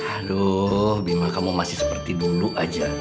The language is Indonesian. aduh memang kamu masih seperti dulu aja